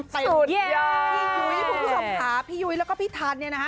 สุดยอดพี่ยุ้ยคุณผู้ชมขาพี่ยุ้ยแล้วก็พี่ทันนะฮะ